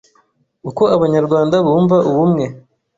Uko abanyarwanda bumva ubumwe